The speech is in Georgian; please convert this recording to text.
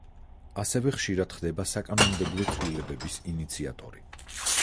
ასევე ხშირად ხდება საკანონმდებლო ცვლილებების ინიციატორი.